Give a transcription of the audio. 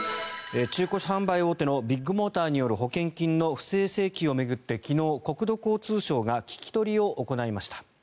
中古車販売大手のビッグモーターによる保険金の不正請求を巡って昨日、国土交通省が聞き取りを行いました。